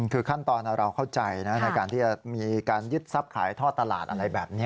คือขั้นตอนเราเข้าใจนะในการที่จะมีการยึดทรัพย์ขายท่อตลาดอะไรแบบนี้